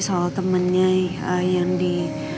soal temennya yang di